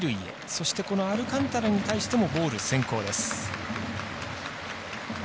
そして、アルカンタラに対してもボール先行です。